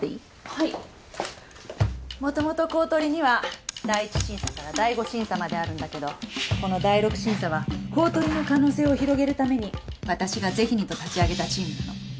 もともと公取には第一審査から第五審査まであるんだけどこの第六審査は公取の可能性を広げるために私がぜひにと立ち上げたチームなの。